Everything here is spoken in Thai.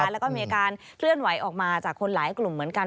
แล้วก็มีการเคลื่อนไหวออกมาจากคนหลายกลุ่มเหมือนกัน